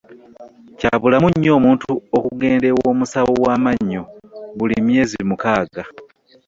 Kya bulamu nnyo omuntu okugenda ew'omusawo w'amannyo buli myezi mukaaga.